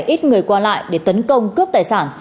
ít người qua lại để tấn công cướp tài sản